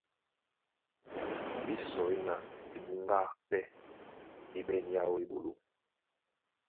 Ɓé sɔí ná ebuŋgá pɛ́ é ɓɛ̂n yáō eɓoló.